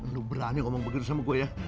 lu berani ngomong begitu sama gue ya